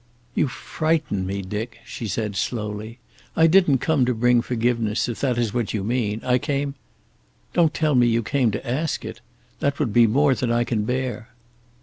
"You frighten me, Dick," she said, slowly. "I didn't come to bring forgiveness, if that is what you mean. I came " "Don't tell me you came to ask it. That would be more than I can bear."